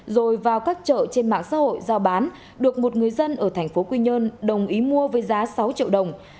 rồi vào các chợ trên mạng xã hội giao bán được một người dân ở thành phố quy nhơn đồng ý mua với giá sáu triệu đồng